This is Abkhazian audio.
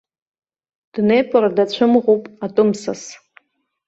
Днепр дацәымӷуп атәым сас!